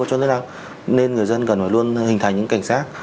cho nên là nên người dân cần phải luôn hình thành những cảnh sát